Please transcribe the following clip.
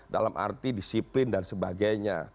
dalam arti disiplin dan sebagainya